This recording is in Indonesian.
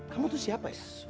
kamu tuh siapa ya